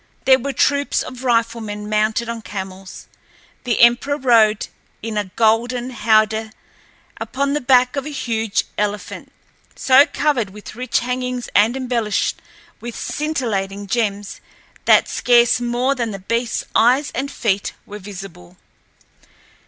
There were troops of riflemen mounted on camels. The emperor rode in a golden howdah upon the back of a huge elephant so covered with rich hangings and embellished with scintillating gems that scarce more than the beastl's eyes and feet were visible.